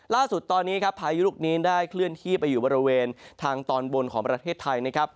ล่าสุดตอนนี้ครับพายุลูกนี้ได้เคลื่อนที่ไปอยู่บริเวณทางตอนบนของประเทศไทยนะครับ